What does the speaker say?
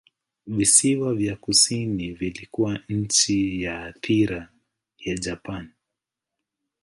Visiwa vya kusini vilikuwa chini ya athira ya Japani.